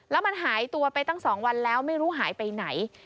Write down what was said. แล้วมันหายตัวไปตั้ง๒วันแล้วไม่รู้หายไปไหน